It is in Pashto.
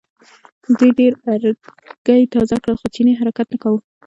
دوی ډېر ارګی تازه کړل خو چیني حرکت نه کاوه.